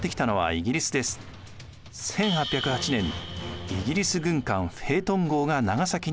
１８０８年イギリス軍艦フェートン号が長崎に入港。